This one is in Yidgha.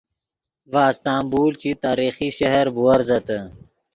ڤے استنبول چی تاریخی شہر بوورزتے